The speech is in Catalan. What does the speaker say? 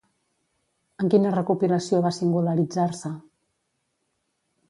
En quina recopilació va singularitzar-se?